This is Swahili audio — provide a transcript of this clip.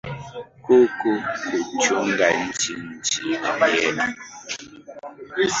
ku ku kuchunga nchi nchi yetu